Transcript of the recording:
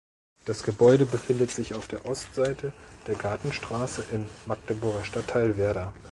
Das Gebäude befindet sich auf der Ostseite der Gartenstraße im Magdeburger Stadtteil Werder.